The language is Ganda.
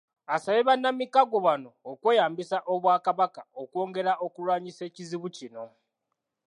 Asabye bannamikago bano okweyambisa Obwakabaka okwongera okulwanyisa ekizibu kino.